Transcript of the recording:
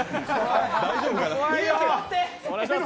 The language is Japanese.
大丈夫かな。